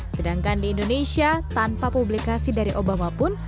sedangkan di indonesia tanpa publikasi dari obama pun